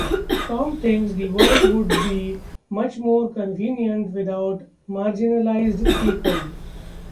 Tom thinks the world would be much more convenient without marginalized people.